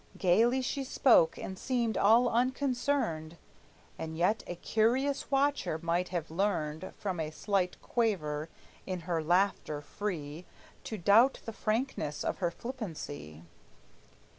Gaily she spoke, and seemed all unconcerned; And yet a curious watcher might have learned From a slight quaver in her laughter free To doubt the frankness of her flippancy.